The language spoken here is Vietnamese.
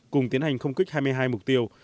cùng tiến hành không kích hai mươi hai mục tiêu